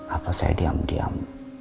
apa saya diam diam